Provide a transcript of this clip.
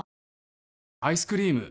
アイスクリーム